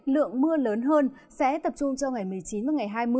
lượng mưa lớn hơn sẽ tập trung cho ngày một mươi chín và ngày hai mươi